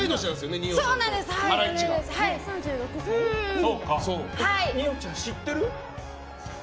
二葉ちゃん、知ってる？